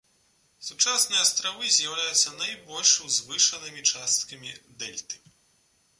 Сучасныя астравы з'яўляюцца найбольш узвышанымі часткамі дэльты.